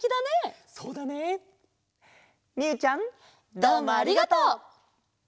どうもありがとう！